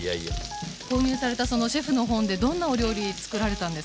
購入されたそのシェフの本でどんなお料理つくられたんですか？